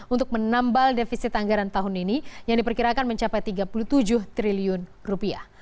untuk menambal defisit anggaran tahun ini yang diperkirakan mencapai tiga puluh tujuh triliun rupiah